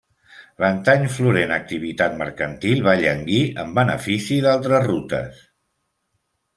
L'antany florent activitat mercantil va llanguir en benefici d'altres rutes.